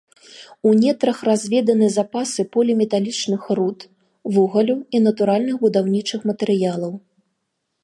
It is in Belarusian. У нетрах разведаны запасы поліметалічных руд, вугалю і натуральных будаўнічых матэрыялаў.